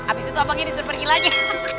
abis itu apa gini disuruh pergi lagi